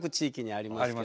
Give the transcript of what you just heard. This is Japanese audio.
ありますね。